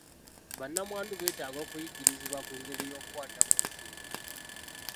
Bannamwandu beetaaga okuyigirizibwa ku ngeri y'okukwatamu ensimbi.